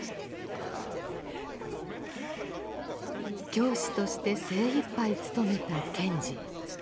教師として精いっぱい務めた賢治。